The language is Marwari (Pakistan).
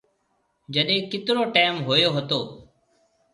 جڏي ڪيترو ٽيم هوئيو هتو۔